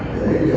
sẽ đóng mở